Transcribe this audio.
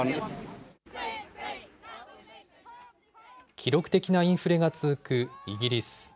記録的なインフレが続くイギリス。